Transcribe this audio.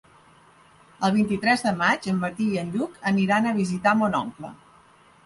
El vint-i-tres de maig en Martí i en Lluc aniran a visitar mon oncle.